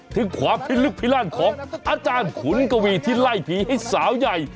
ถึงความพิลึกพิลั่นของอาจารย์ขุนกวีที่ไล่ผีให้สาวใหญ่